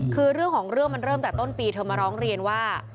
คือเรื่องของเรื่องมันเริ่มแต่ต้นปีเธอมาร้องเรียนว่า